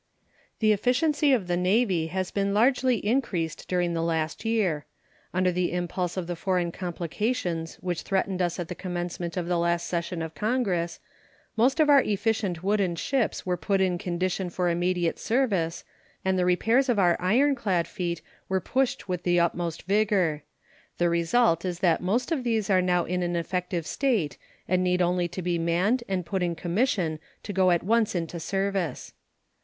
The efficiency of the Navy has been largely increased during the last year. Under the impulse of the foreign complications which threatened us at the commencement of the last session of Congress, most of our efficient wooden ships were put in condition for immediate service, and the repairs of our ironclad fleet were pushed with the utmost vigor. The result is that most of these are now in an effective state and need only to be manned and put in commission to go at once into service.